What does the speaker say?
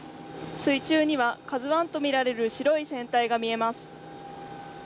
水中には「ＫＡＺＵⅠ」と見られる白い船体が見えます。